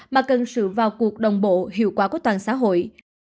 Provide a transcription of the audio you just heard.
mà cần sự vào cuộc đồng bộ hiệu quả của toàn xã hội